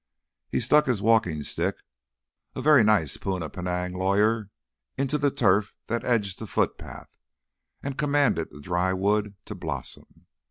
He stuck his walking stick a very nice Poona Penang lawyer into the turf that edged the footpath, and commanded the dry wood to blossom.